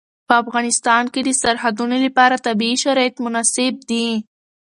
په افغانستان کې د سرحدونه لپاره طبیعي شرایط مناسب دي.